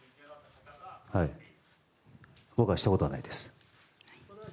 僕はしたことはないですね。